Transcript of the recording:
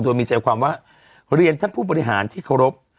โดยมีใจความว่าเรียนท่านผู้บริหารที่เคารพ